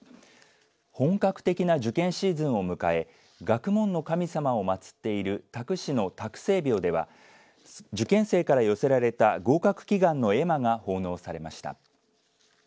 本格的な受験シーズンを迎え学問の神様を祭っている多久市の多久聖廟では受験生から寄せられた合格祈願の絵馬が奉納されました。